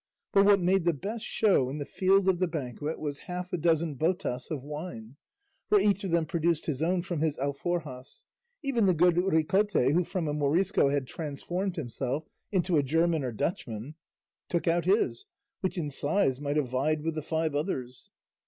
But what made the best show in the field of the banquet was half a dozen botas of wine, for each of them produced his own from his alforjas; even the good Ricote, who from a Morisco had transformed himself into a German or Dutchman, took out his, which in size might have vied with the five others.